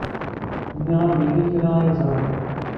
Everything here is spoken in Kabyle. Nniɣ-am yella kra ay ẓriɣ.